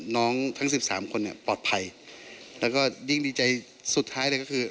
น้องทั้ง๑๓คนปลอดภัยและยิ่งดีใจสุดท้ายเลยคือ